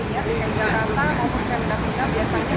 salinan berharganya enggak begitu sedikit